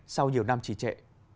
sau nhiều năm trí trệ